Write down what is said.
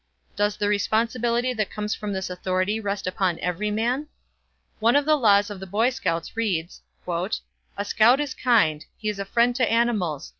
Does the responsibility that comes from this authority rest upon every man? One of the laws of the Boy Scouts reads: "A scout is kind. He is a friend to animals.